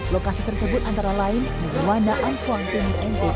lokasi tersebut antara lain merwanda ampong timur ntt